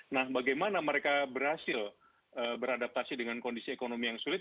nah bagaimana mereka berhasil beradaptasi dengan kondisi ekonomi yang sulit